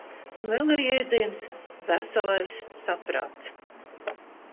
Un vēl ir jēdziens "veselais saprāts".